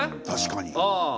確かに。